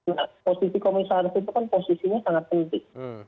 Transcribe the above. nah posisi komunis arus itu kan posisinya sangat penting